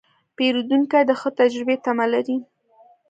پیرودونکی د ښه تجربې تمه لري.